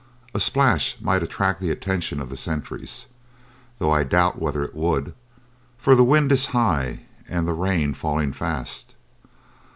A splash might attract the attention of the sentries, though I doubt whether it would, for the wind is high and the rain falling fast.